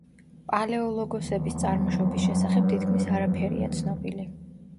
პალეოლოგოსების წარმოშობის შესახებ თითქმის არაფერია ცნობილი.